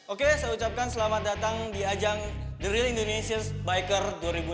oke saya ucapkan selamat datang di ajang the real indonesian biker dua ribu dua puluh